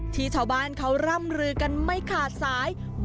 ที่ชาวบ้านเขาร่ำหรือกันไม่ขาดสะเบิก